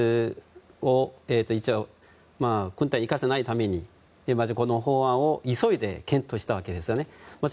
ＢＴＳを軍隊に行かせないためにこの法案を急いで検討したわけですよね。